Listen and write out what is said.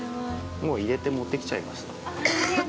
もう入れて持ってきちゃいました。